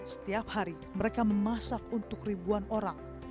setiap hari mereka memasak untuk ribuan orang